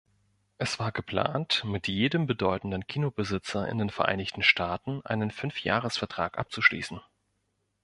Es war geplant, mit jedem bedeutenden Kinobesitzer in den Vereinigten Staaten einen Fünf-Jahres-Vertrag abzuschließen.